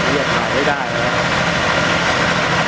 เรียกถ่ายไม่ได้เนี่ย